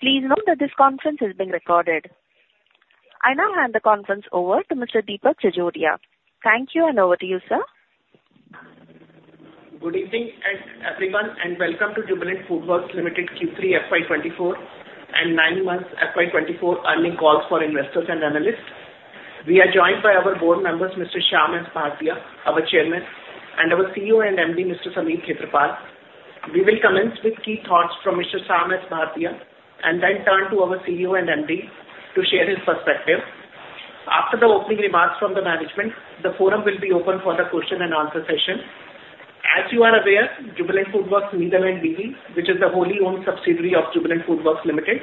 Please note that this conference is being recorded. I now hand the conference over to Mr. Deepak Jajodia. Thank you, and over to you, sir. Good evening, everyone, and welcome to Jubilant FoodWorks Limited Q3 FY24 and nine months FY24 earnings call for investors and analysts. We are joined by our board members, Mr. Shyam S. Bhartia, our Chairman, and our CEO and MD, Mr. Sameer Khetarpal. We will commence with key thoughts from Mr. Shyam S. Bhartia, and then turn to our CEO and MD to share his perspective. After the opening remarks from the management, the forum will be open for the question and answer session. As you are aware, Jubilant FoodWorks Netherlands B.V., which is the wholly-owned subsidiary of Jubilant FoodWorks Limited,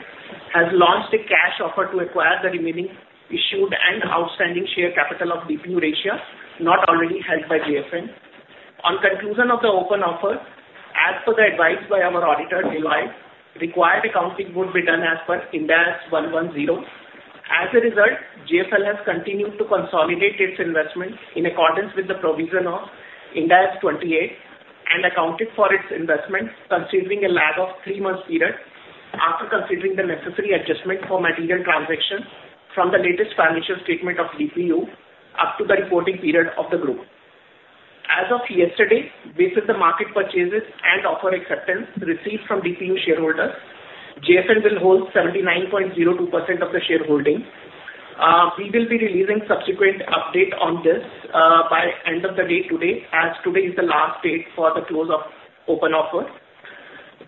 has launched a cash offer to acquire the remaining issued and outstanding share capital of DP Eurasia, not already held by JFL. On conclusion of the open offer, as per the advice by our auditor, Deloitte, required accounting would be done as per Ind AS 110. As a result, JFL has continued to consolidate its investment in accordance with the provision of Ind AS 28 and accounted for its investment, considering a lag of three months period after considering the necessary adjustment for material transactions from the latest financial statement of DPU up to the reporting period of the group. As of yesterday, based the market purchases and offer acceptance received from DPU shareholders, JFL will hold 79.02% of the shareholding. We will be releasing subsequent update on this, by end of the day today, as today is the last date for the close of open offer.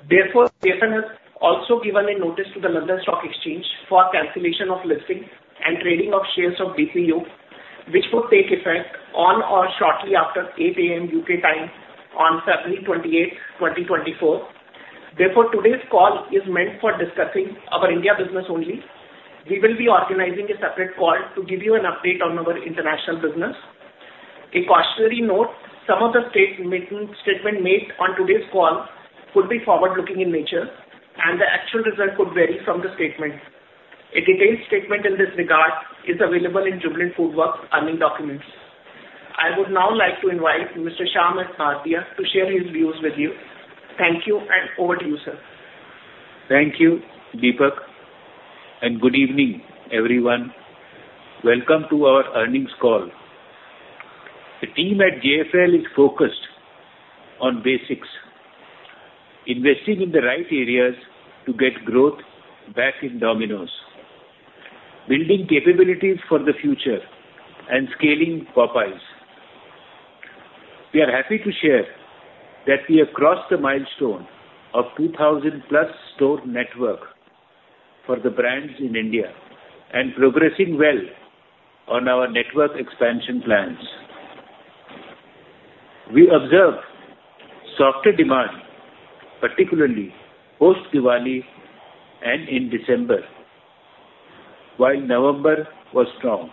Therefore, JFL has also given a notice to the London Stock Exchange for cancellation of listing and trading of shares of DPU, which would take effect on or shortly after 8 A.M. U.K. time on February 28, 2024. Therefore, today's call is meant for discussing our India business only. We will be organizing a separate call to give you an update on our international business. A cautionary note: some of the statements made on today's call could be forward-looking in nature, and the actual result could vary from the statement. A detailed statement in this regard is available in Jubilant FoodWorks earnings documents. I would now like to invite Mr. Shyam S. Bhartia to share his views with you. Thank you, and over to you, sir. Thank you, Deepak, and good evening, everyone. Welcome to our earnings call. The team at JFL is focused on basics, investing in the right areas to get growth back in Domino's, building capabilities for the future and scaling Popeyes. We are happy to share that we have crossed the milestone of 2,000+ store network for the brands in India and progressing well on our network expansion plans. We observed softer demand, particularly post-Diwali and in December, while November was strong.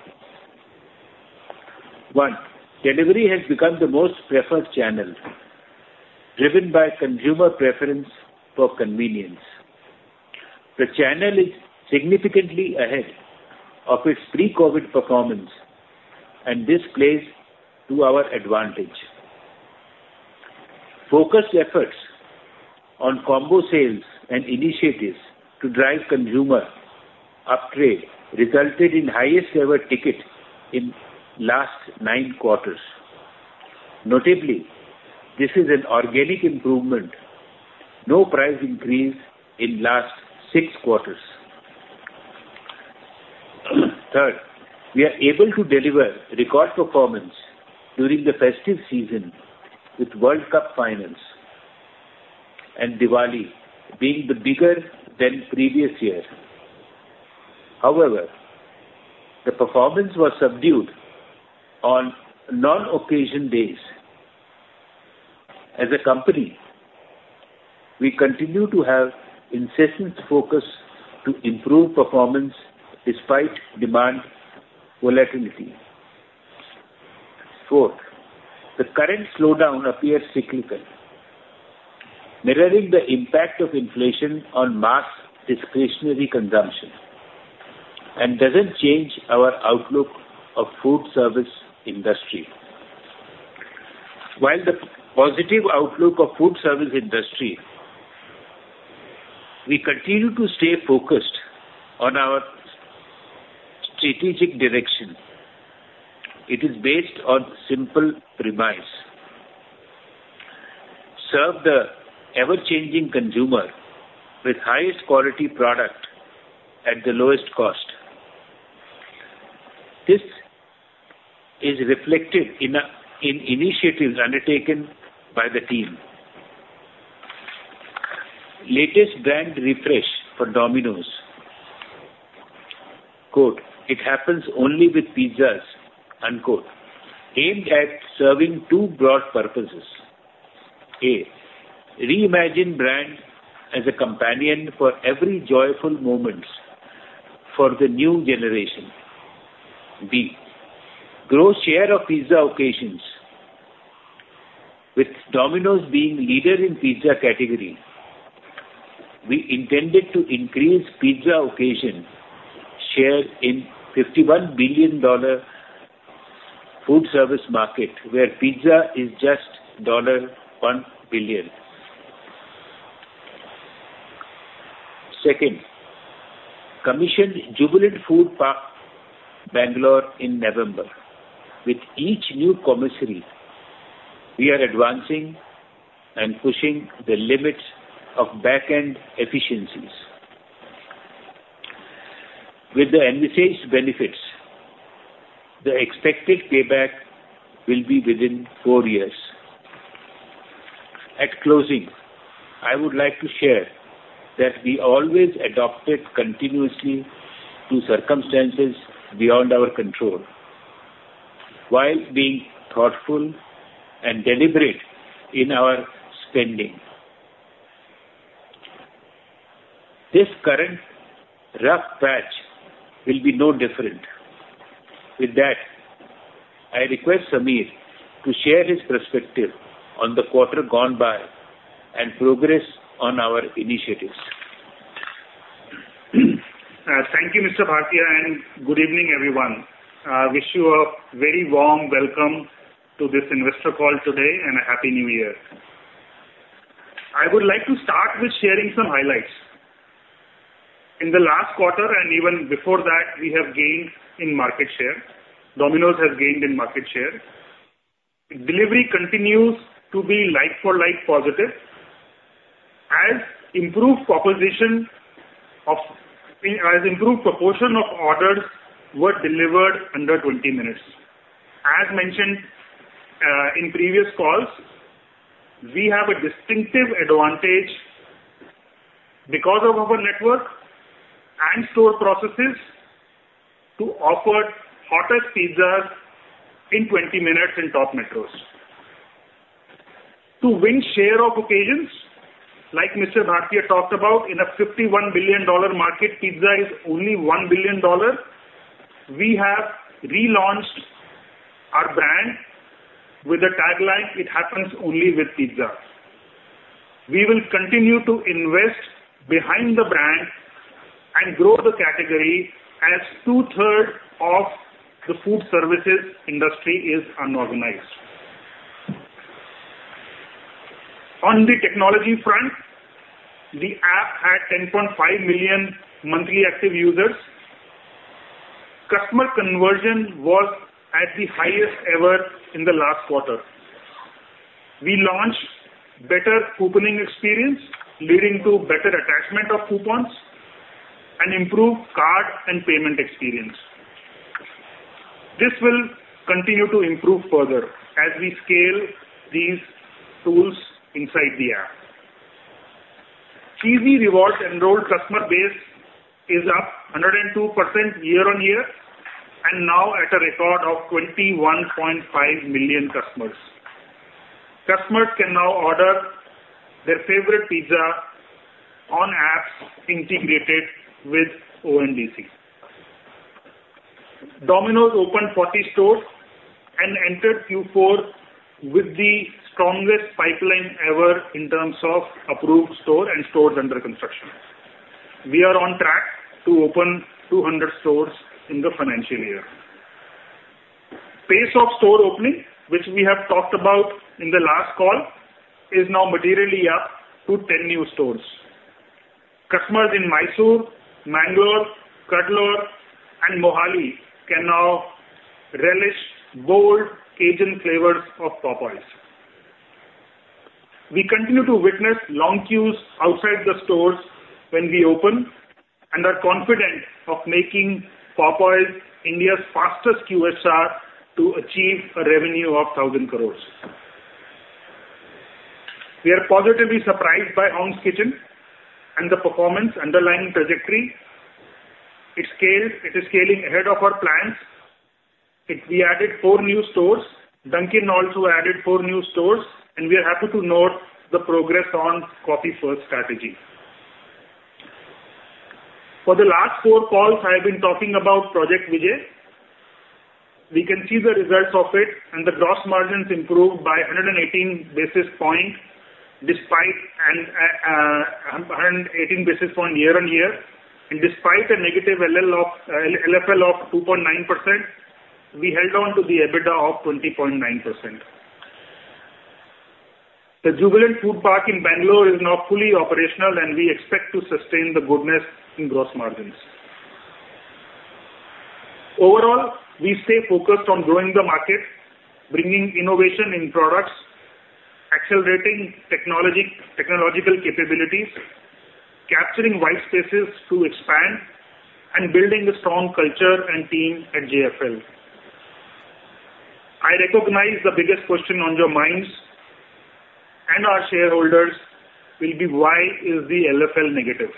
One, delivery has become the most preferred channel, driven by consumer preference for convenience. The channel is significantly ahead of its pre-COVID performance, and this plays to our advantage. Focused efforts on combo sales and initiatives to drive consumer upgrade resulted in highest ever ticket in last 9 quarters. Notably, this is an organic improvement, no price increase in last 6 quarters. Third, we are able to deliver record performance during the festive season, with World Cup finals and Diwali being the bigger than previous year. However, the performance was subdued on non-occasion days. As a company, we continue to have incessant focus to improve performance despite demand volatility. Fourth, the current slowdown appears cyclical, mirroring the impact of inflation on mass discretionary consumption, and doesn't change our outlook of food service industry. While the positive outlook of food service industry, we continue to stay focused on our strategic direction. It is based on simple premise: serve the ever-changing consumer with highest quality product at the lowest cost. This is reflected in initiatives undertaken by the team. Latest brand refresh for Domino's, "It happens only with pizzas," aimed at serving two broad purposes. A, reimagine brand as a companion for every joyful moments for the new generation. B, grow share of pizza occasions. With Domino's being leader in pizza category, we intended to increase pizza occasion share in $51 billion food service market, where pizza is just $1 billion. Second, commissioned Jubilant Food Park, Bangalore, in November. With each new commissary, we are advancing and pushing the limits of back-end efficiencies. With the envisaged benefits, the expected payback will be within four years. At closing, I would like to share that we always adapted continuously to circumstances beyond our control, while being thoughtful and deliberate in our spending. This current rough patch will be no different. With that, I request Sameer to share his perspective on the quarter gone by and progress on our initiatives. Thank you, Mr. Bhartia, and good evening, everyone. I wish you a very warm welcome to this investor call today and a Happy New Year. I would like to start with sharing some highlights. In the last quarter, and even before that, we have gained in market share. Domino's has gained in market share. Delivery continues to be like-for-like positive as improved proportion of orders were delivered under 20 minutes. As mentioned, in previous calls, we have a distinctive advantage because of our network and store processes, to offer hottest pizzas in 20 minutes in top metros. To win share of occasions, like Mr. Bhartia talked about, in a $51 billion market, pizza is only $1 billion. We have relaunched our brand with the tagline: "It happens only with pizza." We will continue to invest behind the brand and grow the category, as two-thirds of the food services industry is unorganized. On the technology front, the app had 10.5 million monthly active users. Customer conversion was at the highest ever in the last quarter. We launched better couponing experience, leading to better attachment of coupons and improved card and payment experience. This will continue to improve further as we scale these tools inside the app. Cheesy Rewards enrolled customer base is up 102% year-on-year, and now at a record of 21.5 million customers. Customers can now order their favorite pizza on apps integrated with ONDC. Domino's opened 40 stores and entered Q4 with the strongest pipeline ever in terms of approved store and stores under construction. We are on track to open 200 stores in the financial year. Pace of store opening, which we have talked about in the last call, is now materially up to 10 new stores. Customers in Mysore, Bangalore, Cuddalore, and Mohali can now relish bold Cajun flavors of Popeyes. We continue to witness long queues outside the stores when we open, and are confident of making Popeyes India's fastest QSR to achieve a revenue of 1,000 crore. We are positively surprised by Hong's Kitchen and the underlying performance trajectory. It is scaling ahead of our plans. We added four new stores. Dunkin' also added four new stores, and we are happy to note the progress on coffee first strategy. For the last calls calls, I have been talking about Project Vijay. We can see the results of it, and the gross margins improved by 118 basis points, despite a 118 basis point year-on-year, and despite a negative LFL of 2.9%, we held on to the EBITDA of 20.9%. The Jubilant Food Park in Bangalore is now fully operational, and we expect to sustain the goodness in gross margins. Overall, we stay focused on growing the market, bringing innovation in products, accelerating technology, technological capabilities, capturing white spaces to expand, and building a strong culture and team at JFL. I recognize the biggest question on your minds, and our shareholders, will be: Why is the LFL negative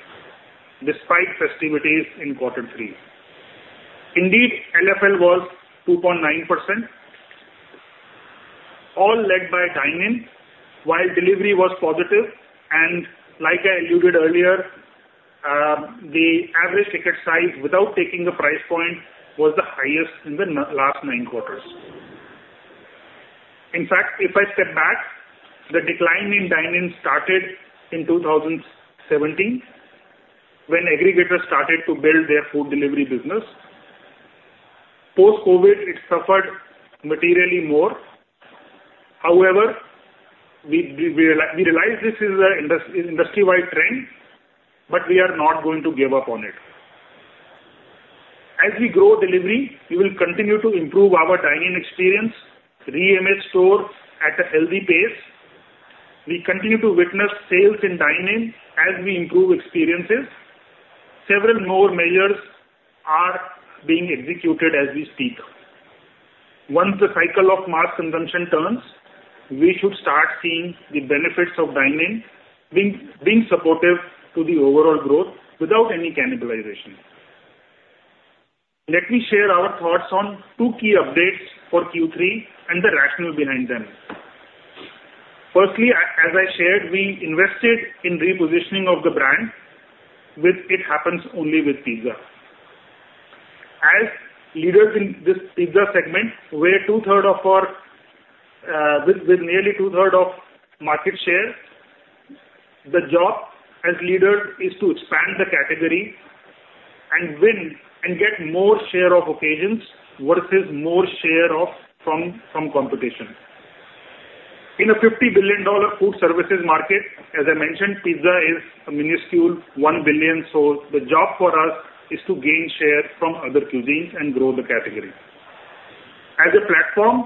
despite festivities in quarter three? Indeed, LFL was 2.9%, all led by dine-in, while delivery was positive. Like I alluded earlier, the average ticket size, without taking the price point, was the highest in the last nine quarters. In fact, if I step back, the decline in dine-in started in 2017, when aggregators started to build their food delivery business. Post-COVID, it suffered materially more. However, we realize this is an industry-wide trend, but we are not going to give up on it. As we grow delivery, we will continue to improve our dine-in experience, reimage stores at a healthy pace. We continue to witness sales in dine-in as we improve experiences. Several more measures are being executed as we speak. Once the cycle of mass consumption turns, we should start seeing the benefits of dine-in being supportive to the overall growth without any cannibalization. Let me share our thoughts on two key updates for Q3 and the rationale behind them. Firstly, as I shared, we invested in repositioning of the brand, with "It happens only with pizza." As leaders in this pizza segment, we're two-thirds of our, with nearly two-thirds of market share, the job as leader is to expand the category and win and get more share of occasions versus more share of from competition. In a $50 billion food services market, as I mentioned, pizza is a minuscule $1 billion, so the job for us is to gain share from other cuisines and grow the category. As a platform,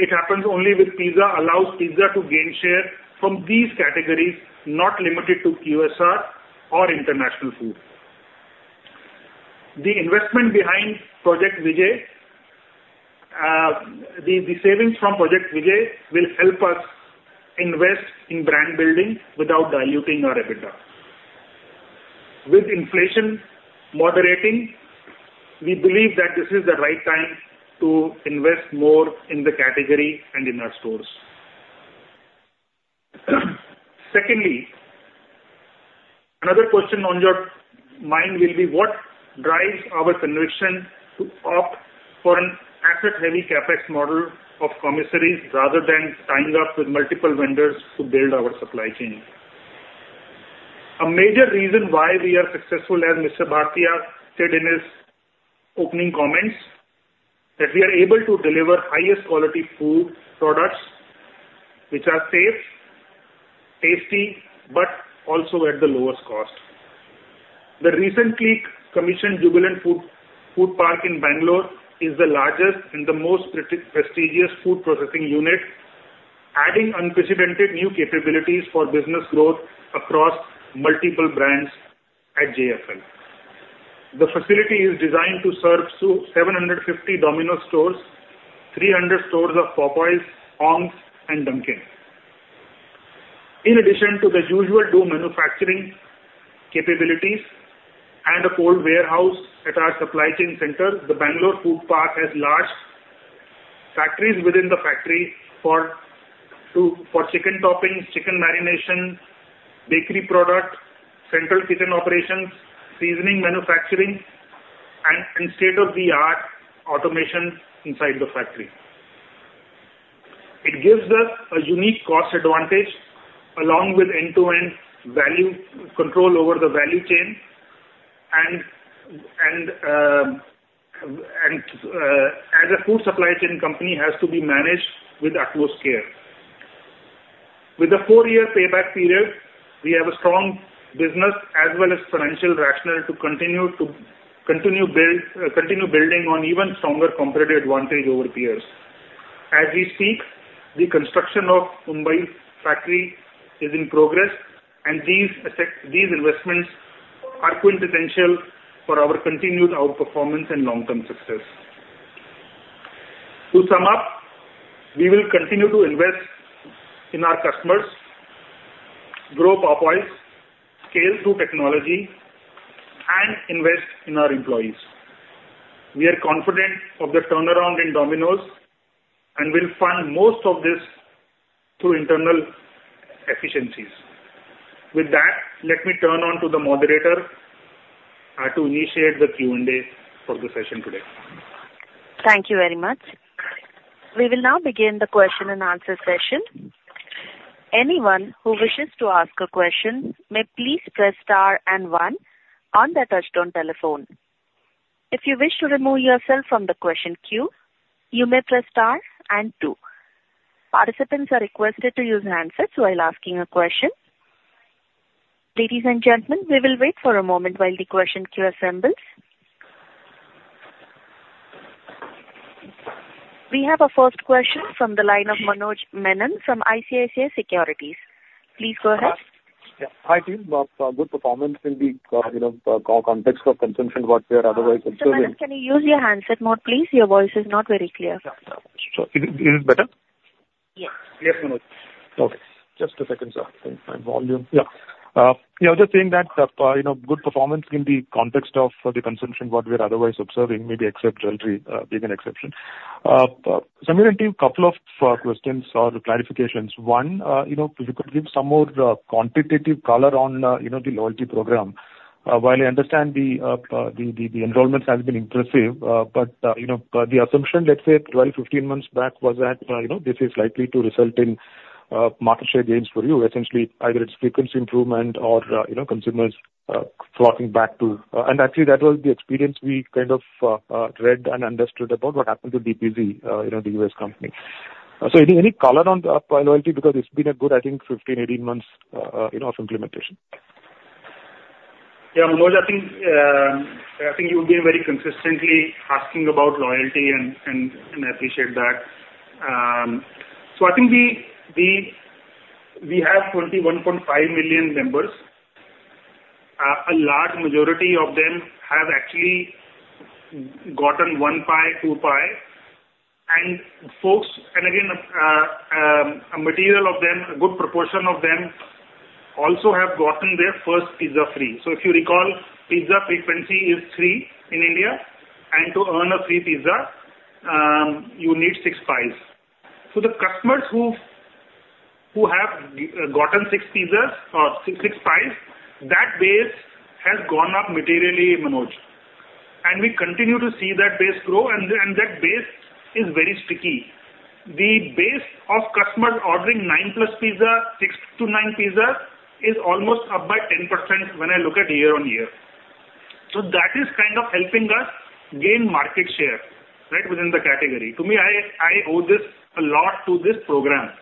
"It happens only with pizza" allows pizza to gain share from these categories, not limited to QSR or international food. The investment behind Project Vijay, the savings from Project Vijay will help us invest in brand building without diluting our EBITDA. With inflation moderating, we believe that this is the right time to invest more in the category and in our stores. Secondly, another question on your mind will be: What drives our conviction to opt for an asset-heavy CapEx model of commissaries, rather than tying up with multiple vendors to build our supply chain? A major reason why we are successful, as Mr. Bhartia said in his opening comments, that we are able to deliver highest quality food products, which are safe, tasty, but also at the lowest cost. The recently commissioned Jubilant Food Park in Bangalore is the largest and the most prestigious food processing unit, adding unprecedented new capabilities for business growth across multiple brands at JFL. The facility is designed to serve 750 Domino's stores, 300 stores of Popeyes, Hong's and Dunkin'. In addition to the usual two manufacturing capabilities and a cold warehouse at our supply chain center, the Bangalore Food Park has large factories within the factory for chicken toppings, chicken marination, bakery product, central kitchen operations, seasoning manufacturing and state-of-the-art automation inside the factory. It gives us a unique cost advantage, along with end-to-end value control over the value chain, and as a food supply chain company, has to be managed with utmost care. With a four-year payback period, we have a strong business as well as financial rationale to continue building on even stronger competitive advantage over peers. As we speak, the construction of the Mumbai factory is in progress, and these investments are quintessential for our continued outperformance and long-term success. To sum up, we will continue to invest in our customers, grow Popeyes, scale through technology and invest in our employees. We are confident of the turnaround in Domino's, and we'll fund most of this through internal efficiencies. With that, let me turn over to the moderator to initiate the Q&A for the session today. Thank you very much. We will now begin the question and answer session. Anyone who wishes to ask a question may please press star and one on their touchtone telephone. If you wish to remove yourself from the question queue, you may press star and two. Participants are requested to use handsets while asking a question. Ladies and gentlemen, we will wait for a moment while the question queue assembles. We have a first question from the line of Manoj Menon from ICICI Securities. Please go ahead. Yeah. Hi, team. Good performance in the, you know, context of consumption, what we are otherwise observing- Sir, Manoj, can you use your handset mode, please? Your voice is not very clear. Yeah, sure. Is it, is it better? Yeah. Yes, Manoj. Okay, just a second, sir. My volume. Yeah. Yeah, I was just saying that, you know, good performance in the context of the consumption what we are otherwise observing, maybe except loyalty being an exception. So Manoj team, couple of questions or clarifications. One, you know, if you could give some more quantitative color on, you know, the loyalty program. While I understand the enrollments has been impressive, but, you know, the assumption, let's say 12, 15 months back was that, you know, this is likely to result in market share gains for you. Essentially, either it's frequency improvement or, you know, consumers flocking back to-- And actually, that was the experience we kind of read and understood about what happened to DPZ, you know, the U.S. company. So any color on the loyalty because it's been a good, I think, 15, 18 months, you know, of implementation. Yeah, Manoj, I think you've been very consistently asking about loyalty and I appreciate that. So I think we have 21.5 million members. A large majority of them have actually gotten one pie, two pie, and folks, and again, a material of them, a good proportion of them also have gotten their first pizza free. So if you recall, pizza frequency is three in India, and to earn a free pizza, you need six pies. So the customers who have gotten six pizzas or six pies, that base has gone up materially, Manoj, and we continue to see that base grow, and that base is very sticky. The base of customers ordering nine plus pizza, six to nine pizzas, is almost up by 10% when I look at year-on-year. So that is kind of helping us gain market share, right, within the category. To me, I owe this a lot to this program.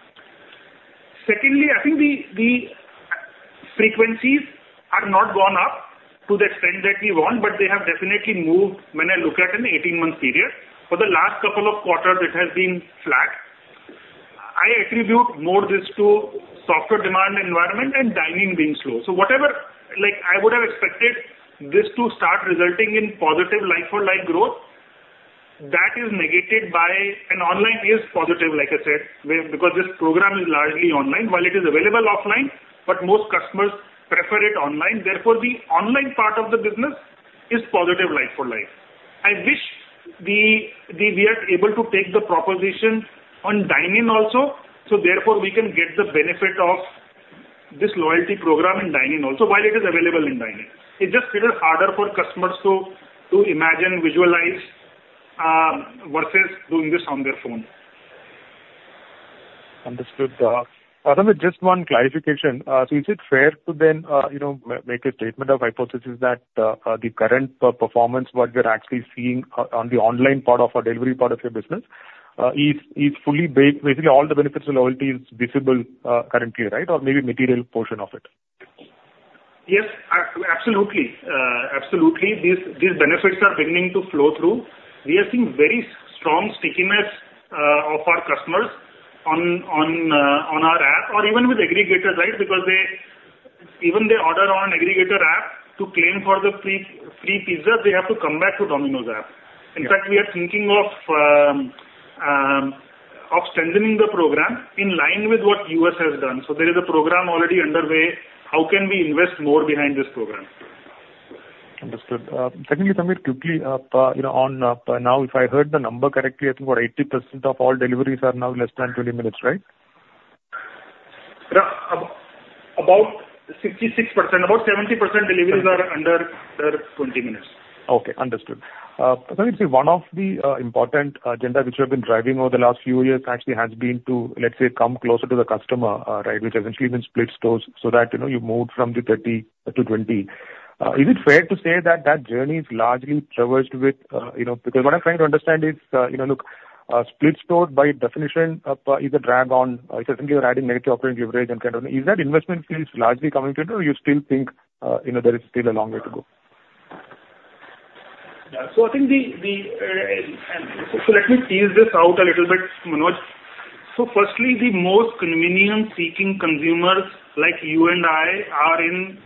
Secondly, I think the frequencies are not gone up to the extent that we want, but they have definitely moved when I look at an 18-month period. For the last couple of quarters, it has been flat. I attribute more this to softer demand environment and dine-in being slow. So whatever, like, I would have expected this to start resulting in positive like-for-like growth, that is negated by... And online is positive, like I said, because this program is largely online. While it is available offline, but most customers prefer it online, therefore, the online part of the business is positive, like-for-like. I wish we are able to take the proposition on dine-in also, so therefore we can get the benefit of this loyalty program in dine-in also, while it is available in dine-in. It's just little harder for customers to imagine, visualize, versus doing this on their phone. Understood. Sameer, just one clarification. So is it fair to then, you know, make a statement of hypothesis that, the current, performance, what you're actually seeing on the online part of a delivery part of your business, is, is fully basically, all the benefits of loyalty is visible, currently, right? Or maybe material portion of it. Yes, absolutely. Absolutely. These benefits are beginning to flow through. We are seeing very strong stickiness of our customers on our app or even with aggregators, right? Because they even order on aggregator app to claim the free pizza, they have to come back to Domino's app. In fact, we are thinking of strengthening the program in line with what US has done. So there is a program already underway, how can we invest more behind this program? Understood. Secondly, Sameer, quickly, you know, on now, if I heard the number correctly, I think about 80% of all deliveries are now less than 20 minutes, right? Yeah. About 66%, about 70% deliveries- Okay. are under 20 minutes. Okay, understood. Sameer, one of the important agenda which you have been driving over the last few years actually has been to, let's say, come closer to the customer, right, which essentially means split stores, so that, you know, you moved from the 30 to 20. Is it fair to say that that journey is largely traversed with, you know, because what I'm trying to understand is, you know, look, a split store by definition is a drag on. Certainly you're adding negative operating leverage and kind of... Is that investment phase largely coming to it, or you still think, you know, there is still a long way to go? Yeah. So let me tease this out a little bit, Manoj. So firstly, the most convenient seeking consumers like you and I are in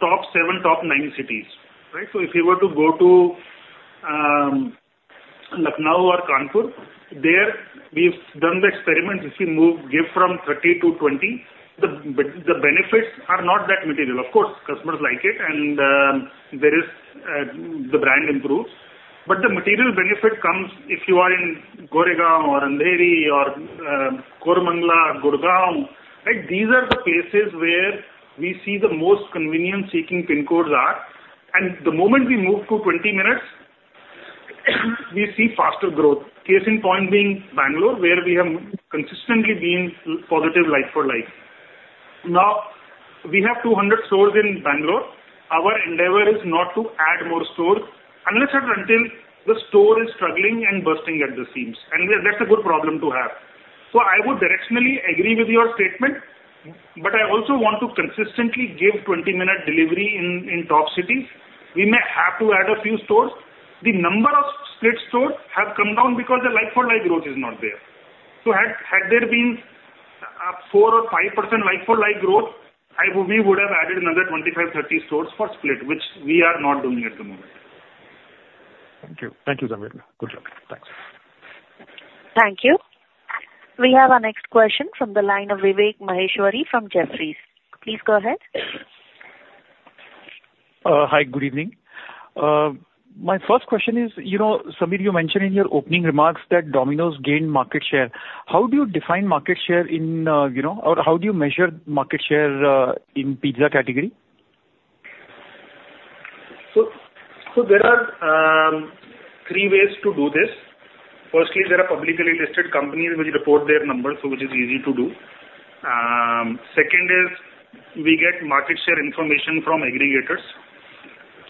top seven, top nine cities, right? So if you were to go to Lucknow or Kanpur, there we've done the experiment, if you move from 30 to 20, the benefits are not that material. Of course, customers like it and, there is, the brand improves. But the material benefit comes if you are in Goregaon or Andheri or, Koramangala or Gurgaon, right? These are the places where we see the most convenient seeking pin codes are, and the moment we move to 20 minutes, we see faster growth. Case in point being Bangalore, where we have consistently been positive like for like. Now, we have 200 stores in Bangalore. Our endeavor is not to add more stores unless and until the store is struggling and bursting at the seams, and that's a good problem to have. So I would directionally agree with your statement, but I also want to consistently give 20-minute delivery in top cities. We may have to add a few stores. The number of split stores have come down because the like-for-like growth is not there. So had there been 4% or 5% like-for-like growth, I would—we would have added another 25, 30 stores for split, which we are not doing at the moment. Thank you. Thank you, Sameer. Good luck. Thanks. Thank you. We have our next question from the line of Vivek Maheshwari from Jefferies. Please go ahead. Hi, good evening. My first question is, you know, Sameer, you mentioned in your opening remarks that Domino's gained market share. How do you define market share in, you know, or how do you measure market share in pizza category? So there are three ways to do this. Firstly, there are publicly listed companies which report their numbers, so which is easy to do. Second is we get market share information from aggregators.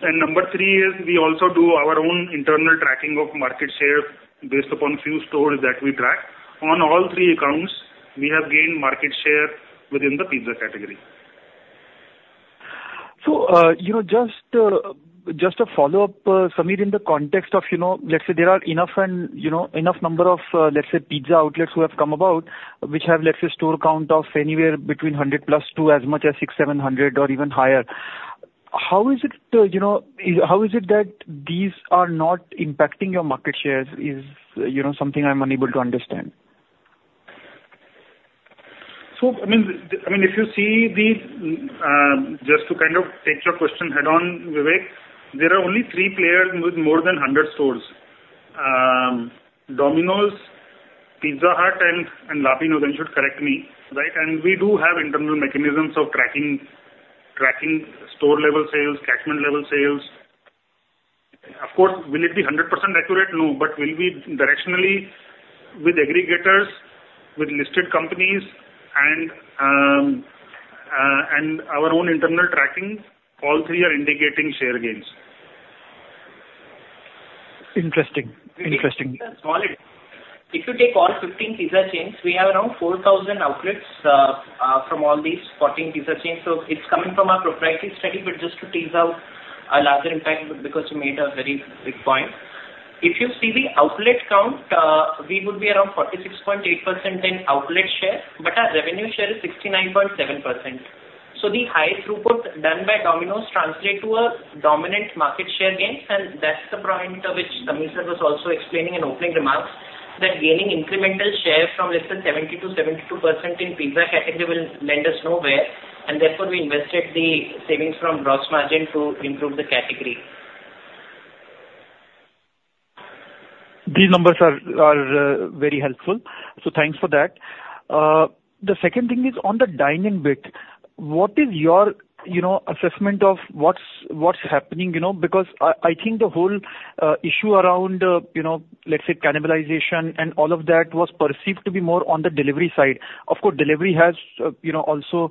And number three is we also do our own internal tracking of market share based upon few stores that we track. On all three accounts, we have gained market share within the pizza category. You know, just a follow-up, Sameer, in the context of, you know, let's say there are enough and, you know, enough number of, let's say, pizza outlets who have come about, which have, let's say, store count of anywhere between 100+ to as much as 600, 700 or even higher. How is it, you know, how is it that these are not impacting your market shares?... is, you know, something I'm unable to understand? So, I mean, I mean, if you see the, just to kind of take your question head-on, Vivek, there are only three players with more than 100 stores. Domino's, Pizza Hut, and, and La Pino's then should correct me, right? And we do have internal mechanisms of tracking, tracking store level sales, catchment level sales. Of course, will it be 100% accurate? No, but will be directionally with aggregators, with listed companies and, and our own internal tracking, all three are indicating share gains. Interesting. Interesting. If you take all 15 pizza chains, we have around 4,000 outlets, from all these 14 pizza chains. So it's coming from our proprietary study, but just to tease out a larger impact, because you made a very big point. If you see the outlet count, we would be around 46.8% in outlet share, but our revenue share is 69.7%. So the high throughput done by Domino's translates to a dominant market share gain, and that's the point which Sameer sir was also explaining in opening remarks, that gaining incremental share from less than 70% -72% in pizza category will lend us nowhere, and therefore, we invested the savings from gross margin to improve the category. These numbers are very helpful, so thanks for that. The second thing is on the dine-in bit, what is your, you know, assessment of what's happening, you know, because I think the whole issue around, you know, let's say, cannibalization and all of that was perceived to be more on the delivery side. Of course, delivery has, you know, also,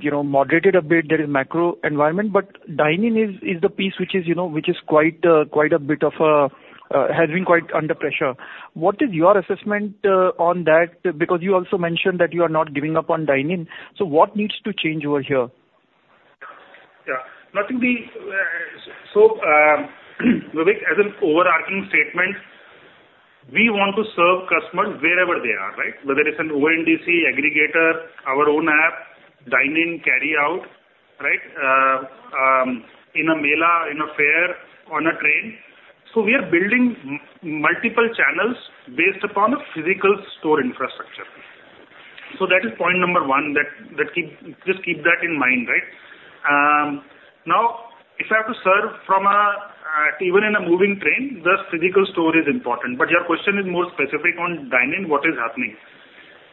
you know, moderated a bit. There is macro environment, but dine-in is the piece which is, you know, which is quite, quite a bit of, has been quite under pressure. What is your assessment on that? Because you also mentioned that you are not giving up on dine-in, so what needs to change over here? Yeah. So, Vivek, as an overarching statement, we want to serve customers wherever they are, right? Whether it's an ONDC, aggregator, our own app, dine-in, carryout, right? In a mela, in a fair, on a train. So we are building multiple channels based upon a physical store infrastructure. So that is point number one, just keep that in mind, right? Now, if I have to serve even in a moving train, the physical store is important. But your question is more specific on dine-in, what is happening?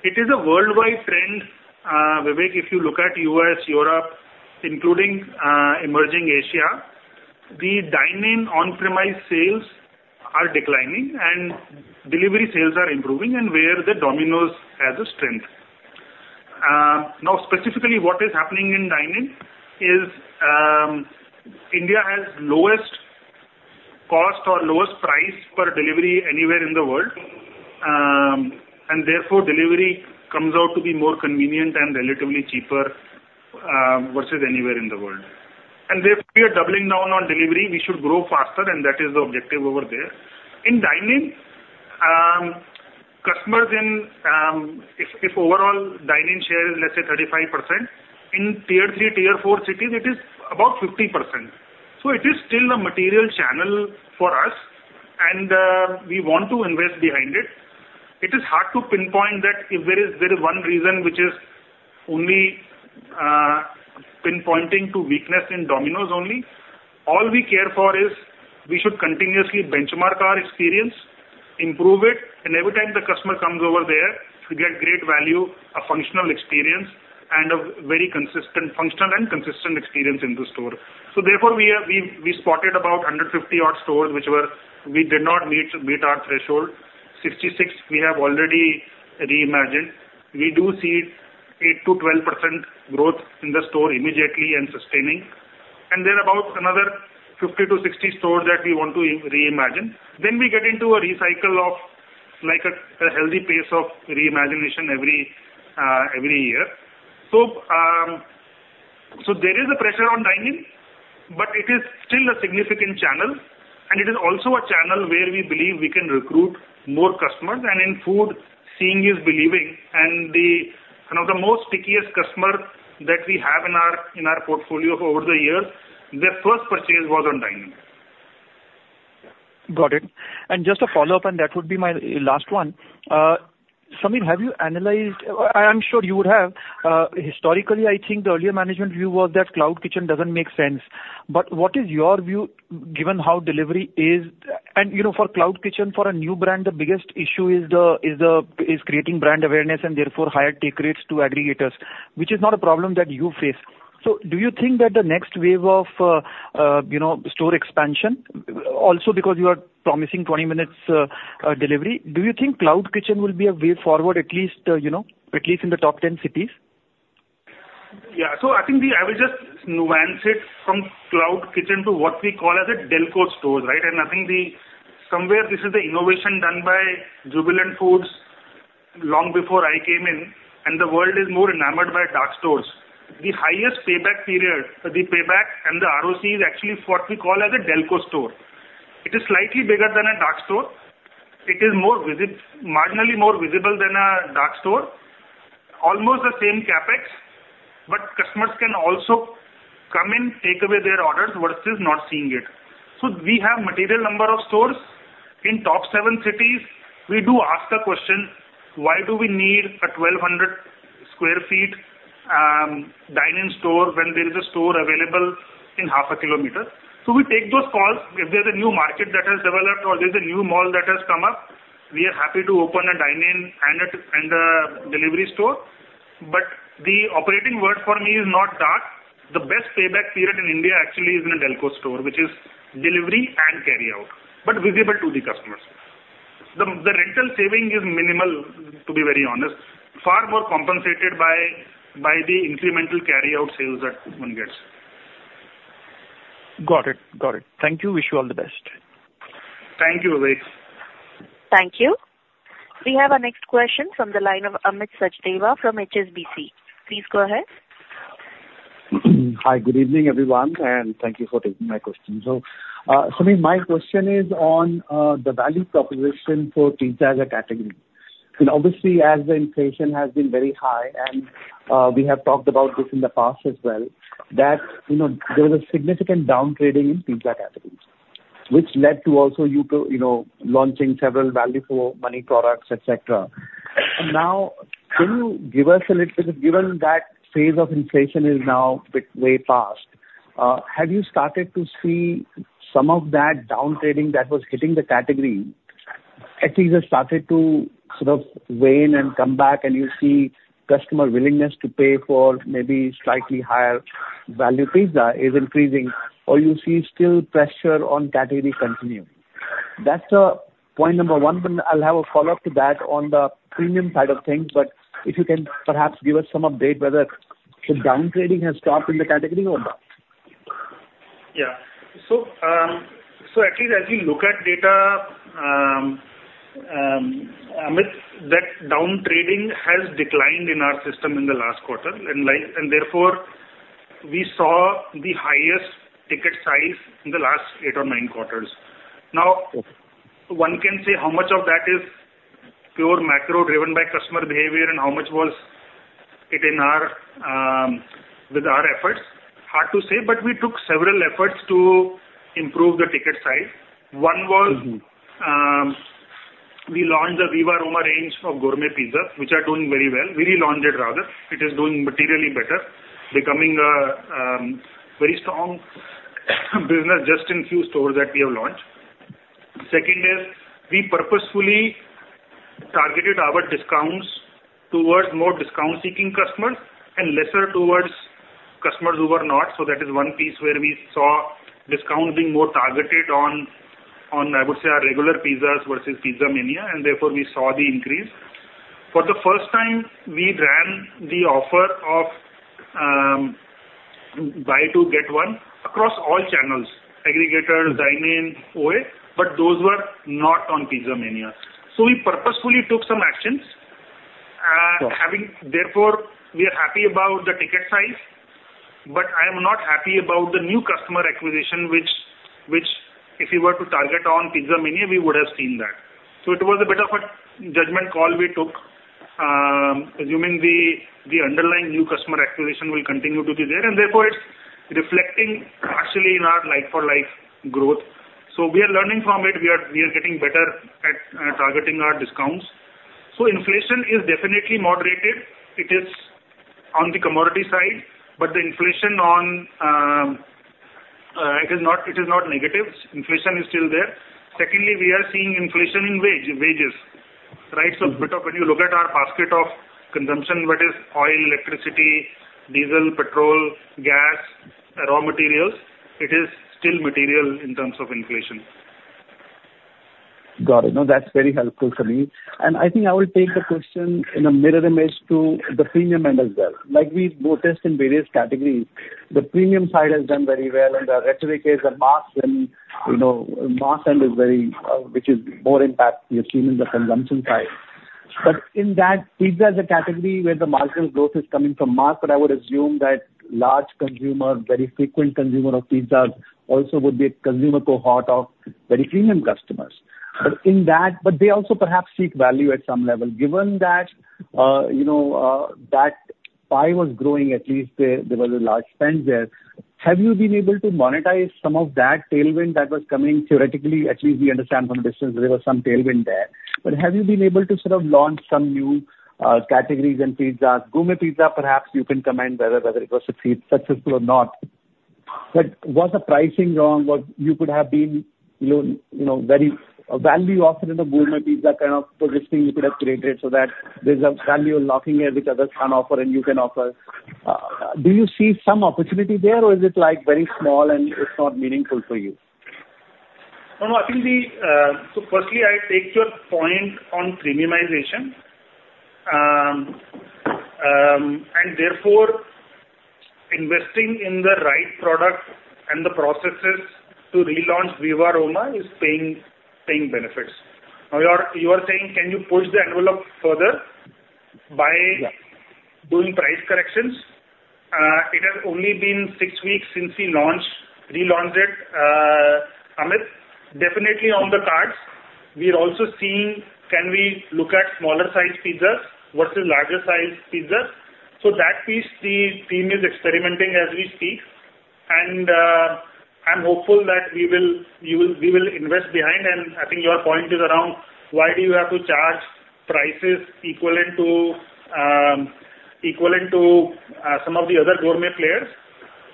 It is a worldwide trend, Vivek, if you look at U.S., Europe, including emerging Asia, the dine-in on-premise sales are declining and delivery sales are improving, and where the Domino's has a strength. Now, specifically, what is happening in dine-in is, India has lowest cost or lowest price per delivery anywhere in the world. And therefore, delivery comes out to be more convenient and relatively cheaper versus anywhere in the world. And therefore, we are doubling down on delivery. We should grow faster, and that is the objective over there. In dine-in, customers in, if overall dine-in share is, let's say, 35%, in tier three, tier four cities, it is about 50%. So it is still a material channel for us, and we want to invest behind it. It is hard to pinpoint that if there is one reason which is only pinpointing to weakness in Domino's only. All we care for is we should continuously benchmark our experience, improve it, and every time the customer comes over there, we get great value, a functional experience, and a very consistent functional and consistent experience in the store. So therefore, we have spotted about under 50 odd stores, which were... We did not meet our threshold. 66, we have already reimagined. We do see 8%-12% growth in the store immediately and sustaining, and then about another 50-60 stores that we want to reimagine. Then we get into a recycle of, like, a healthy pace of reimagination every year. So there is a pressure on dine-in, but it is still a significant channel, and it is also a channel where we believe we can recruit more customers. In food, seeing is believing, and the, you know, the most stickiest customer that we have in our, in our portfolio over the years, their first purchase was on dine-in. Got it. And just a follow-up, and that would be my last one. Sameer, have you analyzed, I, I'm sure you would have, historically, I think the earlier management view was that cloud kitchen doesn't make sense. But what is your view, given how delivery is, and, you know, for cloud kitchen, for a new brand, the biggest issue is creating brand awareness and therefore higher take rates to aggregators, which is not a problem that you face. So do you think that the next wave of, you know, store expansion, also because you are promising 20 minutes delivery, do you think cloud kitchen will be a way forward, at least, you know, at least in the top 10 cities? Yeah. So I think the I would just nuance it from cloud kitchen to what we call as a Delco store, right? And I think the somewhere this is the innovation done by Jubilant FoodWorks long before I came in, and the world is more enamored by dark stores. The highest payback period, the payback and the ROC is actually what we call as a Delco store. It is slightly bigger than a dark store. It is marginally more visible than a dark store. Almost the same CapEx, but customers can also come in, take away their orders, but still not seeing it. So we have material number of stores. In top seven cities, we do ask a question: Why do we need a 1,200 sq ft dine-in store when there is a store available in half a kilometer? So we take those calls. If there's a new market that has developed or there's a new mall that has come up, we are happy to open a dine-in and a delivery store. But the operating word for me is not dark. The best payback period in India actually is in a Delco store, which is delivery and carryout, but visible to the customers. The rental saving is minimal, to be very honest, far more compensated by the incremental carryout sales that one gets. Got it. Got it. Thank you. Wish you all the best. Thank you, Abhishek. Thank you. We have our next question from the line of Amit Sachdeva from HSBC. Please go ahead. Hi, good evening, everyone, and thank you for taking my question. So, Sameer, my question is on the value proposition for pizza as a category. And obviously, as the inflation has been very high, and we have talked about this in the past as well, that, you know, there was a significant downtrading in pizza categories, which led to also you to, you know, launching several value for money products, et cetera. And now, can you give us a little... Because given that phase of inflation is now bit way past, have you started to see some of that downtrading that was hitting the category, at least has started to sort of wane and come back and you see customer willingness to pay for maybe slightly higher value pizza is increasing, or you see still pressure on category continue? That's, point number one, but I'll have a follow-up to that on the premium side of things. But if you can perhaps give us some update whether the downtrading has stopped in the category or not. Yeah. So, so at least as we look at data, Amit, that downtrading has declined in our system in the last quarter, and like and therefore, we saw the highest ticket size in the last eight or nine quarters. Now, one can say how much of that is pure macro driven by customer behavior and how much was it in our, with our efforts? Hard to say, but we took several efforts to improve the ticket size. Mm-hmm. One was, we launched the Viva Roma range of gourmet pizza, which are doing very well. We relaunched it, rather. It is doing materially better, becoming a, very strong business just in few stores that we have launched. Second is, we purposefully targeted our discounts towards more discount-seeking customers and lesser towards customers who are not. So that is one piece where we saw discounts being more targeted on, on, I would say, our regular pizzas versus Pizza Mania, and therefore, we saw the increase. For the first time, we ran the offer of, buy two, get one, across all channels, aggregator, dine-in, OA, but those were not on Pizza Mania. So we purposefully took some actions, Sure. Therefore, we are happy about the ticket size, but I am not happy about the new customer acquisition, which if we were to target on Pizza Mania, we would have seen that. So it was a bit of a judgment call we took, assuming the underlying new customer acquisition will continue to be there, and therefore, it's reflecting partially in our like-for-like growth. So we are learning from it. We are getting better at targeting our discounts. So inflation is definitely moderated. It is on the commodity side, but the inflation on it is not negative. Inflation is still there. Secondly, we are seeing inflation in wages, right? Mm-hmm. So, bit of when you look at our basket of consumption, that is oil, electricity, diesel, petrol, gas, raw materials, it is still material in terms of inflation. Got it. No, that's very helpful, Sameer. I think I will take the question in a mirror image to the premium end as well. Like, we both test in various categories. The premium side has done very well, and the rest of the case, the mass when, you know, mass end is very. Which is more impact we have seen in the consumption side. But in that, pizza is a category where the marginal growth is coming from mass, but I would assume that large consumer, very frequent consumer of pizza, also would be a consumer cohort of very premium customers. But in that, but they also perhaps seek value at some level. Given that, you know, that pie was growing, at least there, there was a large spend there, have you been able to monetize some of that tailwind that was coming? Theoretically, at least we understand from a distance, there was some tailwind there. But have you been able to sort of launch some new categories in pizza? Gourmet pizza, perhaps you can comment whether it was successful or not. But was the pricing wrong? Or you could have been, you know, you know, very, a value offered in the gourmet pizza kind of positioning you could have created so that there's a value locking here which others can't offer and you can offer. Do you see some opportunity there, or is it, like, very small and it's not meaningful for you? No, I think the... So firstly, I take your point on premiumization. And therefore, investing in the right product and the processes to relaunch Viva Roma is paying benefits. Now, you are saying, can you push the envelope further by- Yeah. Doing price corrections? It has only been six weeks since we launched, relaunched it, Amit. Definitely on the cards. We are also seeing, can we look at smaller size pizzas versus larger size pizzas? So that piece, the team is experimenting as we speak, and I'm hopeful that we will, you will—we will invest behind and I think your point is around why do you have to charge prices equivalent to, equivalent to, some of the other gourmet players?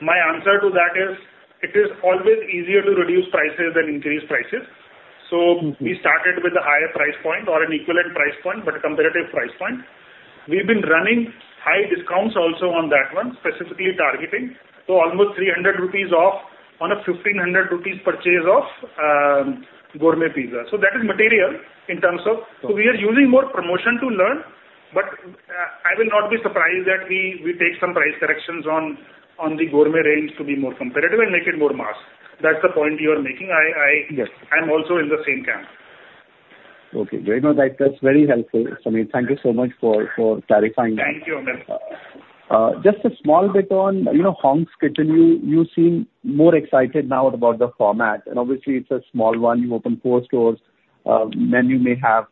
My answer to that is, it is always easier to reduce prices than increase prices. Mm-hmm. So we started with a higher price point or an equivalent price point, but a competitive price point. We've been running high discounts also on that one, specifically targeting, so almost 300 rupees off on a 1,500 rupees purchase of gourmet pizza. So that is material in terms of- Sure. So we are using more promotion to learn, but I will not be surprised that we take some price corrections on the gourmet range to be more competitive and make it more mass. That's the point you are making. I- Yes. I'm also in the same camp. Okay, great. No, that, that's very helpful, Sameer. Thank you so much for, for clarifying that. Thank you, Amit. Just a small bit on, you know, Hong's Kitchen, you seem more excited now about the format, and obviously it's a small one. You've opened four stores, then you may have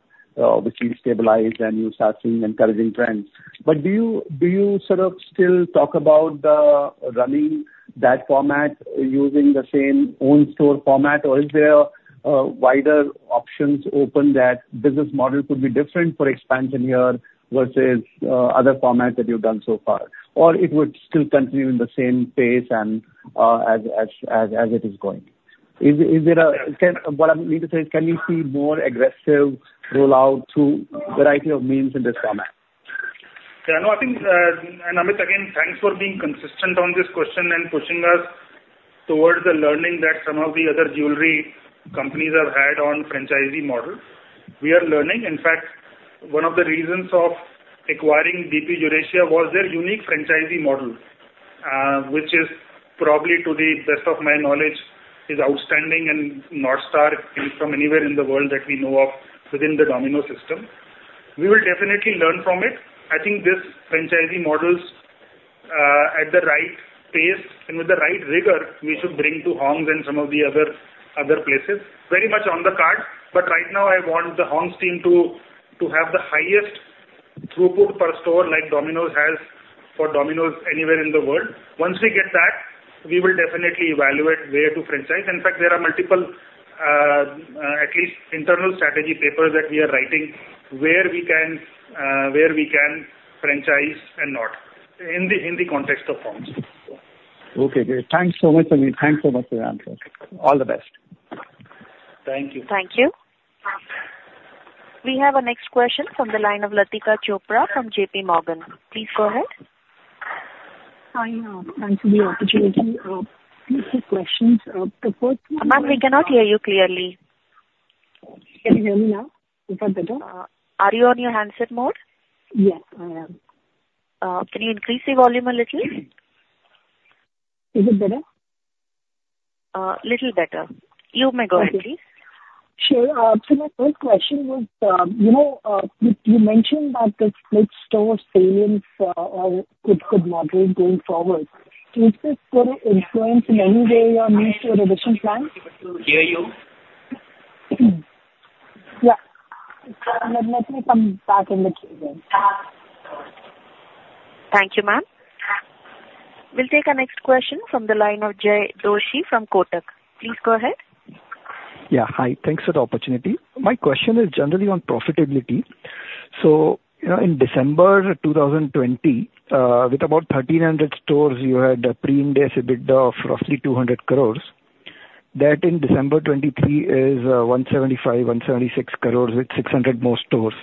which you've stabilized and you start seeing encouraging trends. But do you sort of still talk about running that format using the same own store format, or is there wider options open that business model could be different for expansion here versus other formats that you've done so far? Or it would still continue in the same pace and as it is going. What I need to say is, can you see more aggressive rollout through variety of means in this format? Yeah, I know. I think, and Amit, again, thanks for being consistent on this question and pushing us towards the learning that some of the other QSR companies have had on franchisee model. We are learning. In fact, one of the reasons of acquiring DP Eurasia was their unique franchisee model, which is probably, to the best of my knowledge, is outstanding and North Star from anywhere in the world that we know of within the Domino's system. We will definitely learn from it. I think this franchisee models, at the right pace and with the right rigor, we should bring to Hong's and some of the other, other places. Very much on the card, but right now I want the Hong's team to, to have the highest throughput per store like Domino's has for Domino's anywhere in the world. Once we get that, we will definitely evaluate where to franchise. In fact, there are multiple, at least internal strategy papers that we are writing, where we can franchise and not, in the context of Hong's. Okay, great. Thanks so much, Amit. Thanks so much for your answers. All the best. Thank you. Thank you. We have our next question from the line of Latika Chopra from JPMorgan. Please go ahead. Hi, thanks for the opportunity. Few questions. The first- Ma'am, we cannot hear you clearly. Can you hear me now? Is that better? Are you on your handset mode? Yes, I am. Can you increase the volume a little? Little better? Little better. You may go ahead, please. Sure. So my first question was, you know, you mentioned that the split store sales could moderate going forward. Do you think this could influence in any way your future expansion plans? Hear you. Yeah. Let me come back in the queue then. Thank you, ma'am. We'll take our next question from the line of Jay Doshi from Kotak. Please go ahead. Yeah, hi. Thanks for the opportunity. My question is generally on profitability. So, you know, in December 2020, with about 1,300 stores, you had a pre-Ind AS EBITDA of roughly 200 crore. That in December 2023 is 175 crore-INR176 crore, with 600 more stores.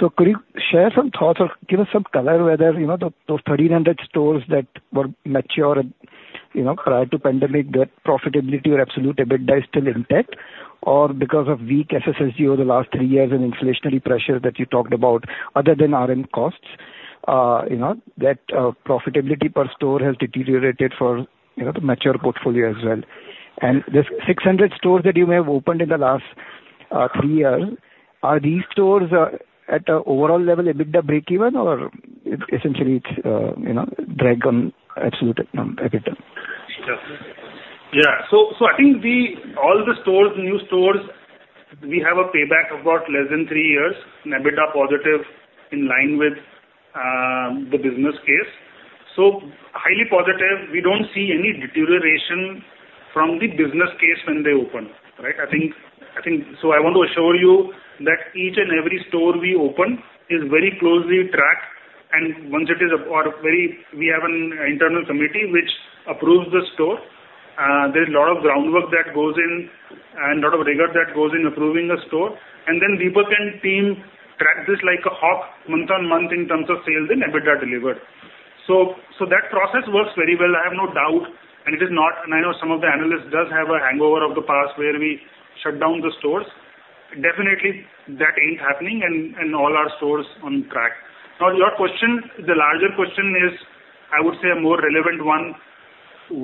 So could you share some thoughts or give us some color whether, you know, those 1,300 stores that were mature and, you know, prior to pandemic, their profitability or absolute EBITDA is still intact? Or because of weak SSSG over the last three years and inflationary pressure that you talked about, other than RM costs, you know, that profitability per store has deteriorated for, you know, the mature portfolio as well. These 600 stores that you may have opened in the last three years, are these stores at a overall level EBITDA break even or essentially it's you know drag on absolute EBITDA? Yeah. So, I think the, all the stores, new stores, we have a payback of about less than three years and EBITDA positive in line with, the business case. So highly positive, we don't see any deterioration from the business case when they open, right? I think so I want to assure you that each and every store we open is very closely tracked, and once it is or very-- we have an internal committee which approves the store. There's a lot of groundwork that goes in and a lot of rigor that goes in approving a store, and then Deepak and team track this like a hawk month on month in terms of sales and EBITDA delivered. So, that process works very well, I have no doubt, and it is not... I know some of the analysts does have a hangover of the past where we shut down the stores. Definitely, that ain't happening and all our stores on track. Now, your question, the larger question is, I would say a more relevant one,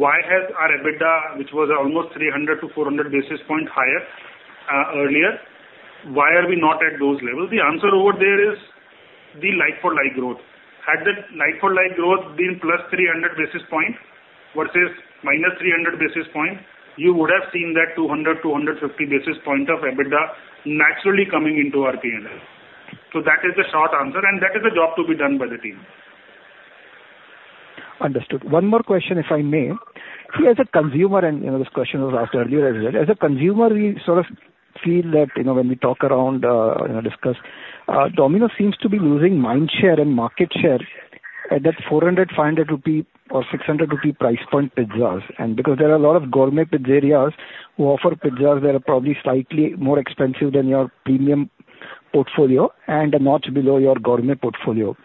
why has our EBITDA, which was almost 300-400 basis points higher earlier, why are we not at those levels? The answer over there is the like-for-like growth. Had the like-for-like growth been plus 300 basis points versus minus 300 basis points, you would have seen that 200-150 basis points of EBITDA naturally coming into our PNL. So that is the short answer, and that is a job to be done by the team. Understood. One more question, if I may. See, as a consumer, you know, this question was asked earlier as well. As a consumer, we sort of feel that, you know, when we talk around, you know, discuss, Domino's seems to be losing mind share and market share at that 400-600 rupee price point pizzas. And because there are a lot of gourmet pizzerias who offer pizzas that are probably slightly more expensive than your premium portfolio and a notch below your gourmet portfolio.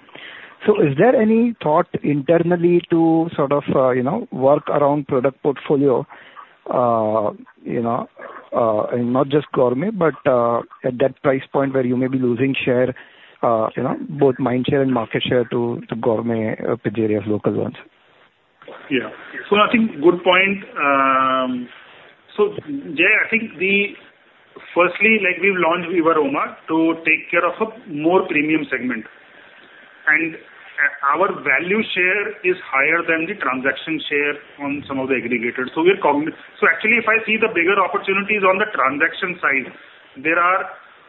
So is there any thought internally to sort of, you know, work around product portfolio, you know, and not just gourmet, but at that price point where you may be losing share, you know, both mind share and market share to gourmet pizzerias, local ones? Yeah. So I think good point. So, Jay, I think firstly, like, we've launched Viva Roma to take care of a more premium segment, and our value share is higher than the transaction share on some of the aggregators. So actually, if I see the bigger opportunities on the transaction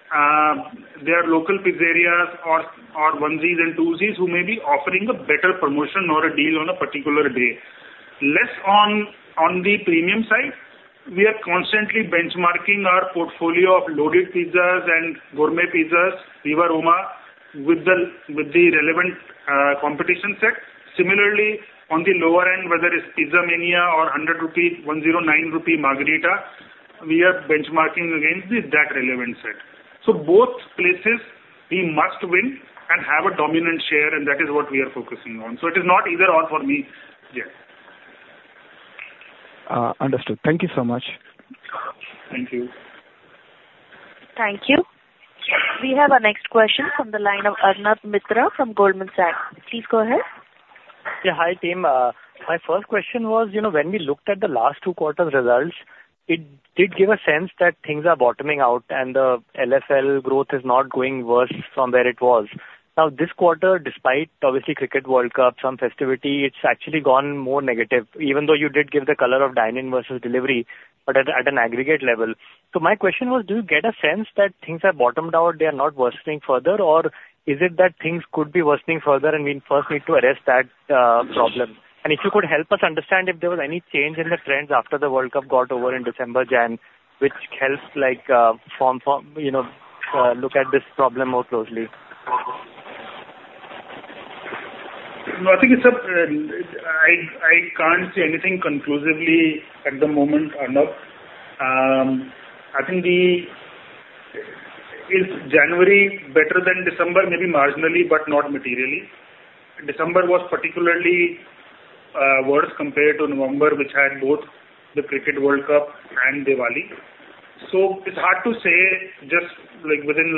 side, there are there are local pizzerias or onesies and twosies who may be offering a better promotion or a deal on a particular day. Less on the premium side, we are constantly benchmarking our portfolio of loaded pizzas and gourmet pizzas, Viva Roma, with the relevant competition set. Similarly, on the lower end, whether it's Pizza Mania or INR 100, INR 109 Margherita, we are benchmarking against the relevant set. Both places we must win and have a dominant share, and that is what we are focusing on. It is not either/or for me here. Understood. Thank you so much. Thank you. Thank you. We have our next question from the line of Arnab Mitra from Goldman Sachs. Please go ahead. Yeah, hi, team. My first question was, you know, when we looked at the last two quarters results, it did give a sense that things are bottoming out and the LFL growth is not going worse from where it was. Now, this quarter, despite obviously Cricket World Cup, some festivity, it's actually gone more negative, even though you did give the color of dine-in versus delivery, but at an aggregate level. So my question was: Do you get a sense that things have bottomed out, they are not worsening further? Or is it that things could be worsening further and we first need to arrest that problem? And if you could help us understand if there was any change in the trends after the World Cup got over in December, January, which helps like form, you know, look at this problem more closely. No, I think it's a I can't say anything conclusively at the moment, Arnab. I think, is January better than December? Maybe marginally, but not materially. December was particularly worse compared to November, which had both the Cricket World Cup and Diwali. So it's hard to say just within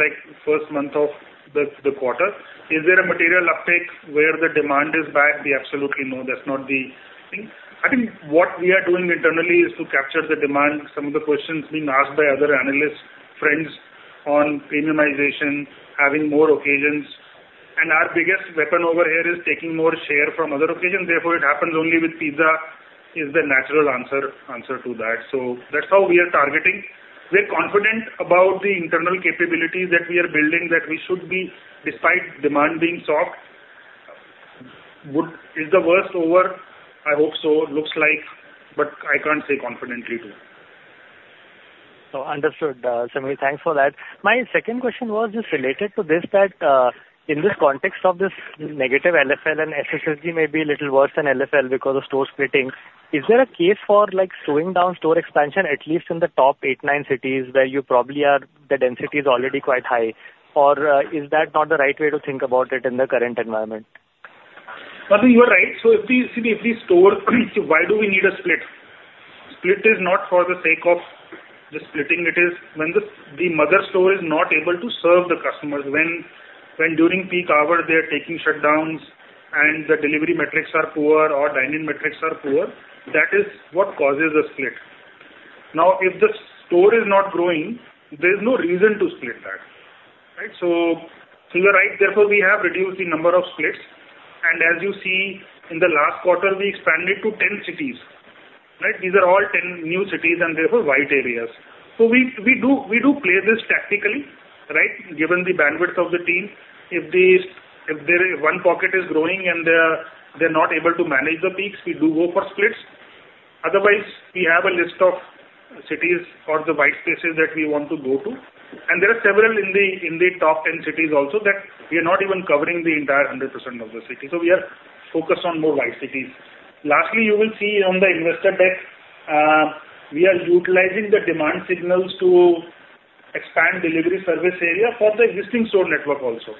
first month of the quarter. Is there a material uptake where the demand is back? We absolutely know that's not the thing. I think what we are doing internally is to capture the demand, some of the questions being asked by other analysts, friends, on premiumization, having more occasions. And our biggest weapon over here is taking more share from other occasions. Therefore, it happens only with pizza is the natural answer to that. So that's how we are targeting. We're confident about the internal capabilities that we are building, that we should be, despite demand being soft. Is the worst over? I hope so. Looks like, but I can't say confidently to you. So understood, Sameer. Thanks for that. My second question was just related to this, that, in this context of this negative LFL and SSSG may be a little worse than LFL because of store splitting. Is there a case for, like, slowing down store expansion, at least in the top eight, nine cities where you probably are, the density is already quite high? Or, is that not the right way to think about it in the current environment? I think you are right. So if we see, if the store, so why do we need a split? Split is not for the sake of the splitting, it is when the mother store is not able to serve the customers. When during peak hours, they are taking shutdowns and the delivery metrics are poor or dine-in metrics are poor, that is what causes a split. Now, if the store is not growing, there's no reason to split that. So you are right, therefore, we have reduced the number of splits. And as you see, in the last quarter, we expanded to 10 cities, right? These are all 10 new cities, and therefore, white areas. So we do play this tactically, right? Given the bandwidth of the team. If these, if there's one pocket is growing and they're not able to manage the peaks, we do go for splits. Otherwise, we have a list of cities or the white spaces that we want to go to, and there are several in the top 10 cities also that we are not even covering the entire 100% of the city, so we are focused on more white cities. Lastly, you will see on the investor deck, we are utilizing the demand signals to expand delivery service area for the existing store network also.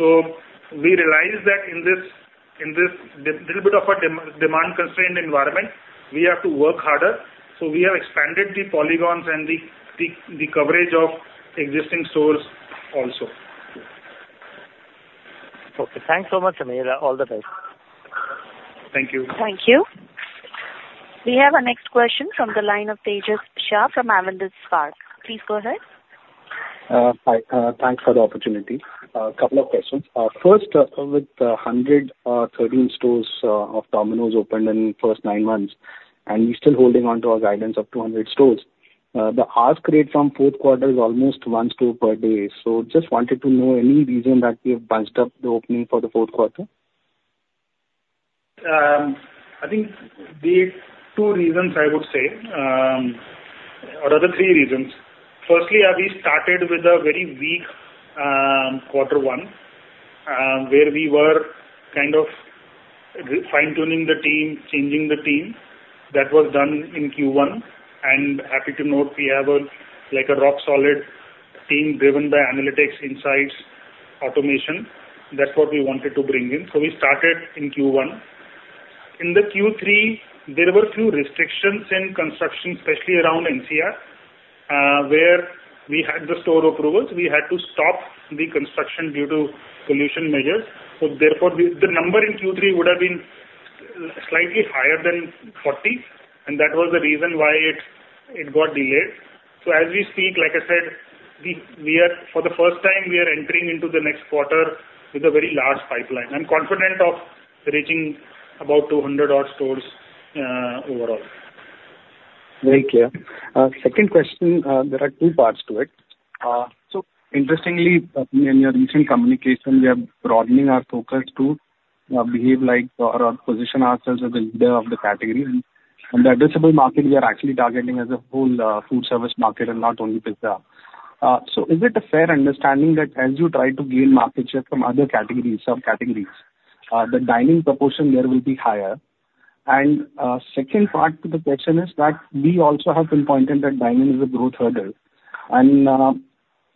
So we realize that in this little bit of a demand constrained environment, we have to work harder. So we have expanded the polygons and the coverage of existing stores also. Okay, thanks so much, Sameer. All the best. Thank you. Thank you. We have our next question from the line of Tejas Shah from Avendus Spark. Please go ahead. Hi, thanks for the opportunity. A couple of questions. First, with the 113 stores of Domino's opened in the first nine months, and you're still holding on to our guidance of 200 stores. The pace from fourth quarter is almost one store per day. So just wanted to know any reason that we have bunched up the opening for the fourth quarter? I think the two reasons I would say, or are there three reasons. Firstly, we started with a very weak quarter one, where we were kind of fine-tuning the team, changing the team. That was done in Q1, and happy to note we have a, like, a rock solid team driven by analytics, insights, automation. That's what we wanted to bring in. So we started in Q1. In Q3, there were few restrictions in construction, especially around NCR, where we had the store approvals. We had to stop the construction due to pollution measures. So therefore, the number in Q3 would have been slightly higher than 40, and that was the reason why it got delayed. So as we speak, like I said, for the first time, we are entering into the next quarter with a very large pipeline. I'm confident of reaching about 200 odd stores, overall. Very clear. Second question, there are two parts to it. So interestingly, in your recent communication, we are broadening our focus to behave like or position ourselves as the leader of the category, and the addressable market we are actually targeting as a whole, food service market and not only pizza. So is it a fair understanding that as you try to gain market share from other categories, subcategories, the dining proportion there will be higher? And second part to the question is that we also have pinpointed that dining is a growth hurdle. And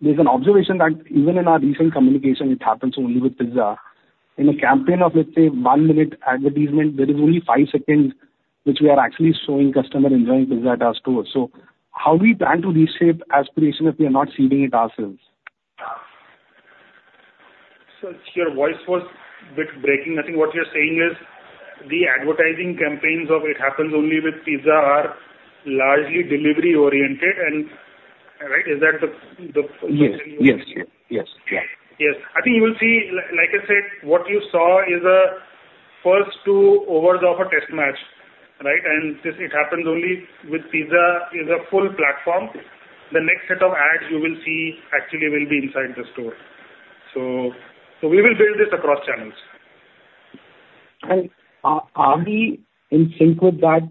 there's an observation that even in our recent communication, it happens only with pizza. In a campaign of, let's say, one-minute advertisement, there is only five seconds, which we are actually showing customer enjoying pizza at our store. How do we plan to reshape aspiration if we are not seeing it ourselves? Sir, your voice was a bit breaking. I think what you're saying is, the advertising campaigns of "It happens only with pizza" are largely delivery-oriented and... Right? Is that the, the- Yes. Yes, yes. Yes. Yes. I think you will see, like, like I said, what you saw is a first two overs of a test match, right? This, "It happens only with pizza" is a full platform. The next set of ads you will see actually will be inside the store. So, so we will build this across channels. And are we in sync with that,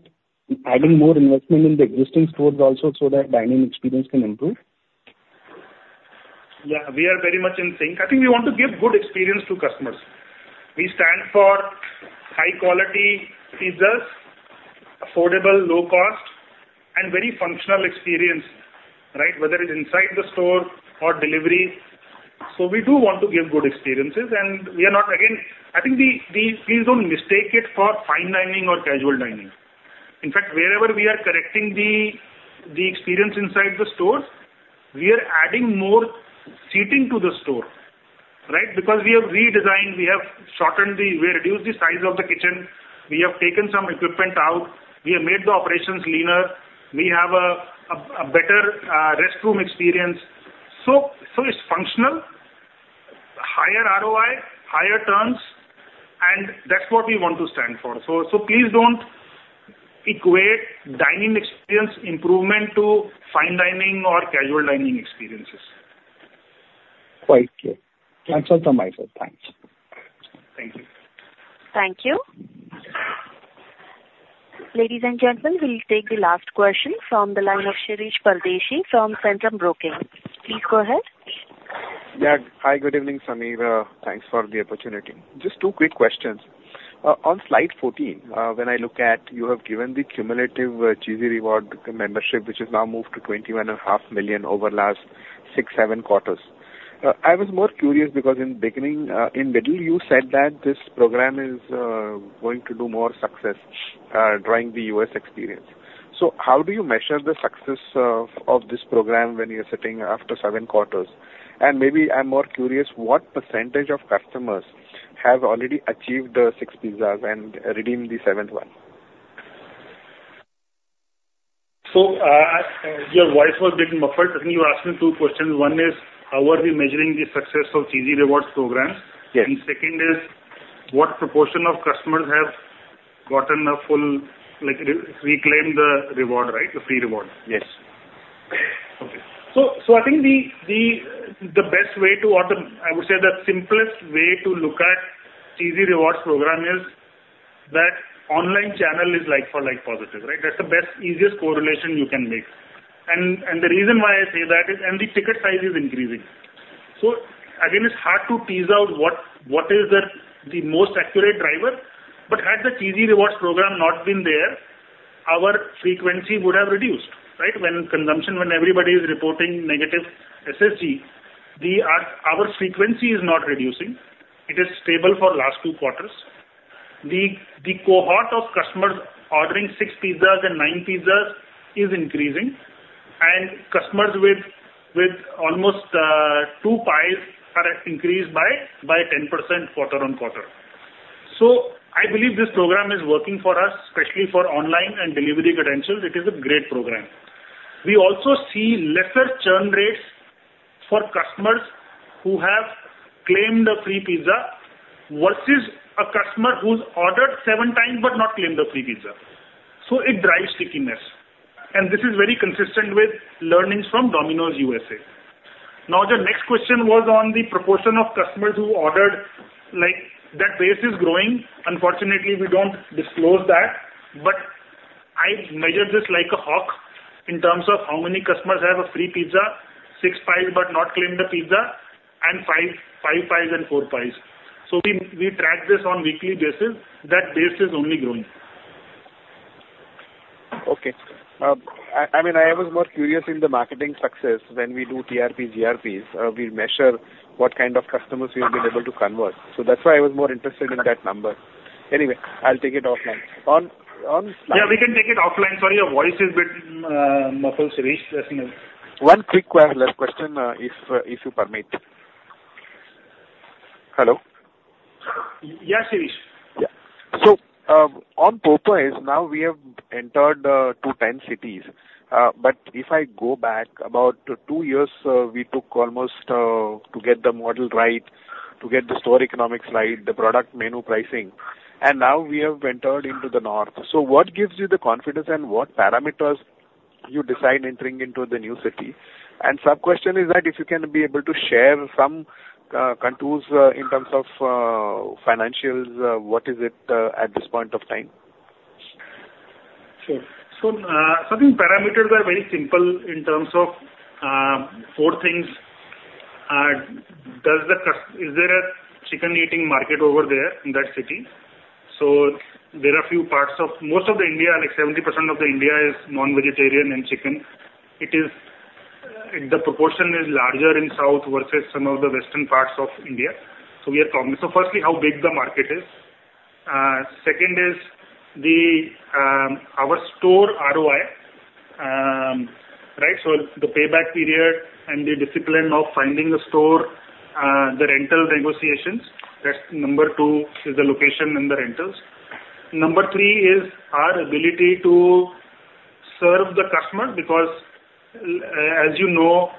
adding more investment in the existing stores also so that dining experience can improve? Yeah, we are very much in sync. I think we want to give good experience to customers. We stand for high quality pizzas, affordable, low cost, and very functional experience, right? Whether it's inside the store or delivery. So we do want to give good experiences, and we are not... Again, I think the please don't mistake it for fine dining or casual dining. In fact, wherever we are correcting the experience inside the stores, we are adding more seating to the store, right? Because we have redesigned, we reduced the size of the kitchen, we have taken some equipment out, we have made the operations leaner, we have a better restroom experience. So, so it's functional, higher ROI, higher turns, and that's what we want to stand for. So, please don't equate dining experience improvement to fine dining or casual dining experiences. Quite clear. That's all from my side. Thanks. Thank you. Thank you. Ladies and gentlemen, we'll take the last question from the line of Shirish Pardeshi from Centrum Broking. Please go ahead. Yeah. Hi, good evening, Sameer. Thanks for the opportunity. Just two quick questions. On slide 14, when I look at you have given the cumulative Cheesy Rewards Membership, which has now moved to 21.5 million over last six, seven quarters. I was more curious because in beginning, in middle, you said that this program is going to do more success, drawing the U.S. experience. So how do you measure the success of this program when you're sitting after seven quarters? And maybe I'm more curious, what percentage of customers have already achieved the six pizzas and redeemed the seventh one?... So, your voice was a bit muffled. I think you asked me two questions. One is, how are we measuring the success of Cheesy Rewards programs? Yes. Second is, what proportion of customers have gotten a full, like, reclaim the reward, right? The free reward. Yes. Okay. So I think the best way—I would say the simplest way to look at Cheesy Rewards Program is that online channel is like for like positive, right? That's the best, easiest correlation you can make. And the reason why I say that is, the ticket size is increasing. So again, it's hard to tease out what is the most accurate driver, but had the Cheesy Rewards Program not been there, our frequency would have reduced, right? When consumption, when everybody is reporting negative SSG, we are—our frequency is not reducing. It is stable for last two quarters. The cohort of customers ordering six pizzas and nine pizzas is increasing, and customers with almost two pies are increased by 10% quarter on quarter. So I believe this program is working for us, especially for online and delivery customers. It is a great program. We also see lesser churn rates for customers who have claimed a free pizza versus a customer who's ordered seven times but not claimed a free pizza. So it drives stickiness, and this is very consistent with learnings from Domino's USA. Now, the next question was on the proportion of customers who ordered, like, that base is growing. Unfortunately, we don't disclose that, but I measure this like a hawk in terms of how many customers have a free pizza, six pies, but not claimed the pizza, and five, five pies and four pies. So we track this on weekly basis. That base is only growing. Okay. I mean, I was more curious in the marketing success when we do TRP, GRPs, we measure what kind of customers we've been able to convert. So that's why I was more interested in that number. Anyway, I'll take it offline. On, on- Yeah, we can take it offline. Sorry, your voice is a bit muffled, Shirish. One quick one last question, if you permit. Hello? Yes, Shirish. Yeah. So, on Popeyes, now we have entered 210 cities. But if I go back about two years, we took almost to get the model right, to get the store economics right, the product menu pricing, and now we have entered into the North. So what gives you the confidence and what parameters you decide entering into the new city? And sub-question is that if you can be able to share some contours in terms of financials, what is it at this point of time? Sure. So the parameters are very simple in terms of four things. Is there a chicken eating market over there in that city? So there are a few parts of most of India, like 70% of India, is non-vegetarian and chicken. It is, the proportion is larger in South versus some of the western parts of India. So we are talking. So firstly, how big the market is. Second is our store ROI. Right, so the payback period and the discipline of finding a store, the rental negotiations, that's number two, is the location and the rentals. Number three is our ability to serve the customer, because as you know,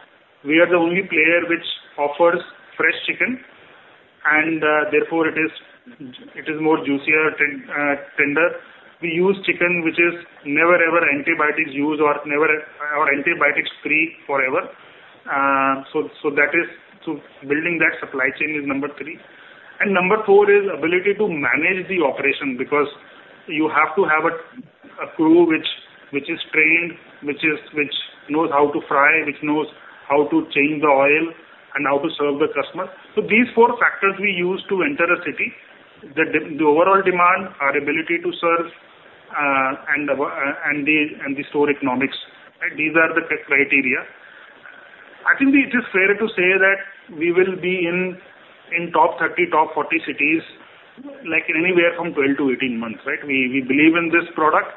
we are the only player which offers fresh chicken, and therefore, it is more juicier, tender. We use chicken, which is never, ever antibiotics used or never, or antibiotics free forever. So, so that is, so building that supply chain is number three. And number four is ability to manage the operation, because you have to have a, a crew which, which is trained, which is, which knows how to fry, which knows how to change the oil and how to serve the customer. So these four factors we use to enter a city, the overall demand, our ability to serve, and the store economics, right? These are the tech criteria. I think it is fair to say that we will be in top 30, top 40 cities, like anywhere from 12-18 months, right? We believe in this product.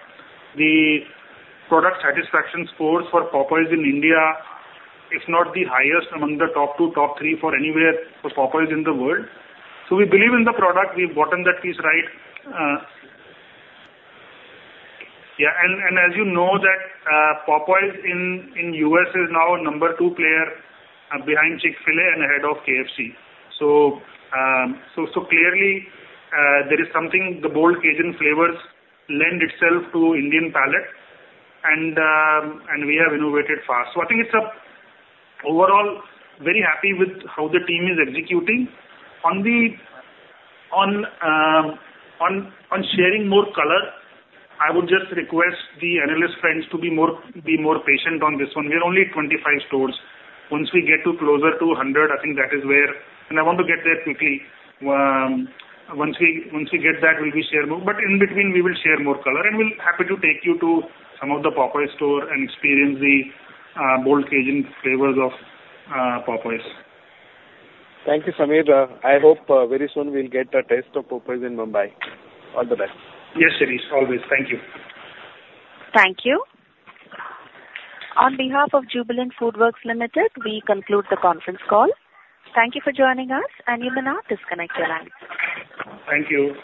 The product satisfaction scores for Popeyes in India is not the highest among the top two, top three for anywhere for Popeyes in the world. So we believe in the product. We've gotten that piece right. Yeah, and as you know, that Popeyes in the U.S. is now number two player behind Chick-fil-A and ahead of KFC. So clearly, there is something, the bold Cajun flavors lend itself to Indian palate, and we have innovated fast. So I think it's a overall very happy with how the team is executing. On sharing more color, I would just request the analyst friends to be more patient on this one. We are only 25 stores. Once we get to closer to 100, I think that is where... And I want to get there quickly. Once we get that, we'll be share more, but in between, we will share more color, and we'll happy to take you to some of the Popeyes store and experience the bold Cajun flavors of Popeyes. Thank you, Sameer. I hope very soon we'll get a taste of Popeyes in Mumbai. All the best. Yes, Shirish, always. Thank you. Thank you. On behalf of Jubilant FoodWorks Limited, we conclude the conference call. Thank you for joining us, and you may now disconnect your lines. Thank you.